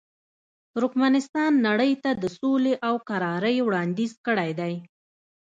ترکمنستان نړۍ ته د سولې او کرارۍ وړاندیز کړی دی.